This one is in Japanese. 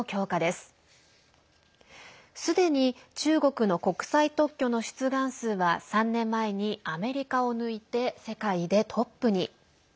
すでに中国の国際特許の出願数は３年前に、アメリカを抜いて世界でトップに。